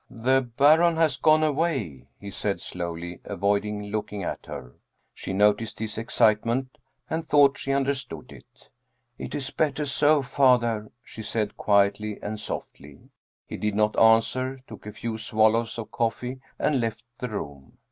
" The Baron has gone away," he said slowly, avoiding looking at her. She noticed his excitement and thought she understood it. " It is better so, father," she said quietly and softly. He did not answer, took a few swallows of coffee and left the room.